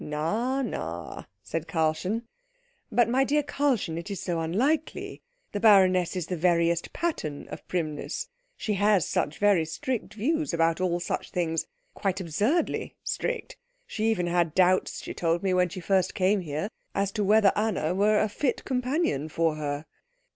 "Na, na," said Karlchen. "But my dear Karlchen, it is so unlikely the baroness is the veriest pattern of primness. She has such very strict views about all such things quite absurdly strict. She even had doubts, she told me, when first she came here, as to whether Anna were a fit companion for her."